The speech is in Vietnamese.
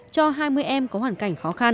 cho hai mươi em có hoàn cảnh khó khăn